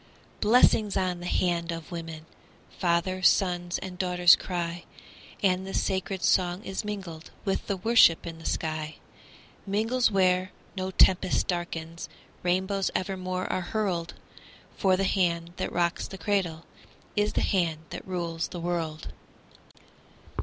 Blessings on the hand of women! Fathers, sons, and daughters cry, And the sacred song is mingled With the worship in the sky Mingles where no tempest darkens, Rainbows evermore are hurled; For the hand that rocks the cradle Is the hand that rules the world.